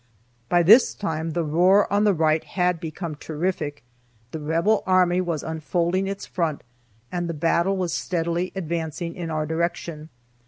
By this time the roar on the right had become terrific. The Rebel army was unfolding its front, and the battle was steadily advancing in our direction.